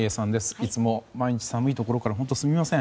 いつも毎日寒いところから本当すみません。